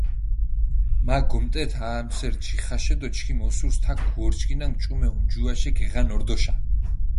მა გიმიტეთ ამჷსერი ჯიხაშე დო ჩქიმი ოსურს თაქ გჷვორჩქინა ჭუმე ონჯუაშე გეღან ორდოშა.